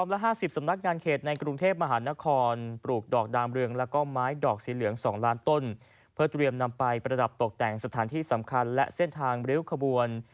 ๒ล้านต้นเพื่อเตรียมนำไปประดับตกแต่งสถานที่สำคัญและเส้นทางบริวขบวน